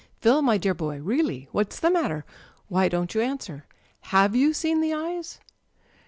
"Phil, my dear boy, really â€" ^what's the matter? Why don't you answer ? Have you seen the eyes